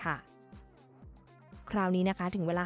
และการบริการผู้โดยสาร๑๒๗๕ราย